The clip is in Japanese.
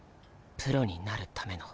プロになるための。